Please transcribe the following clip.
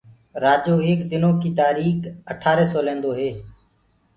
رآجو ايڪ دنو ڪيٚ تآريٚڪ اٺآري سو لينٚدو هي